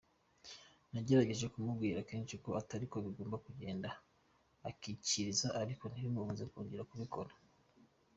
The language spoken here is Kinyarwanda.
Nagerageje kumubwira kenshi ko atariko bigomba kugenda, akikiriza ariko ntibimubuze kongera kubikora.